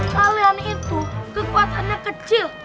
kalian itu kekuatannya kecil